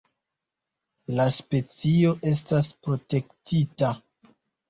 La specio estas protektita.